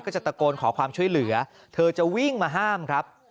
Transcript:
จะตะโกนขอความช่วยเหลือเธอจะวิ่งมาห้ามครับ